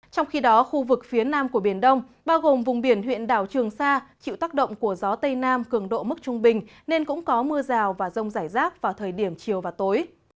trong khi đó khu vực phía nam của biển đông bao gồm vùng biển huyện đảo trường sa chịu tác động của gió tây nam cường độ mức trung bình nên cũng có mưa rào và rông rải rác vào thời điểm chiều và tối